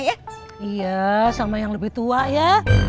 iya sama yang lebih tua ya